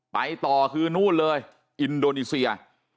ไปต่อคือนู่นเลยอินโดนีเซีย